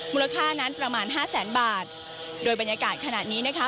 มูลค่านั้นประมาณห้าแสนบาทโดยบรรยากาศขณะนี้นะคะ